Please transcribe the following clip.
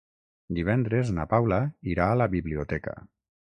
Divendres na Paula irà a la biblioteca.